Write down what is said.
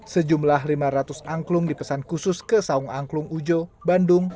sejumlah lima ratus angklung dipesan khusus ke saung angklung ujo bandung